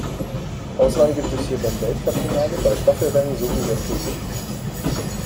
Ausnahmen gibt es hier beim Weltcup-Finale, bei Staffelrennen sowie der Tour de Ski.